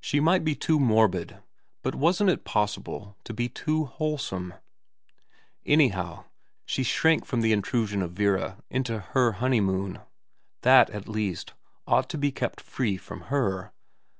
She might be too morbid, but wasn't it possible to be too wholesome ? Anyhow she shrank from the intrusion of Vera into her honeymoon. That, at least, ought to be kept free from her.